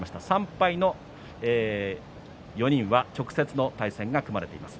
３敗の４人は直接の対戦が組まれています。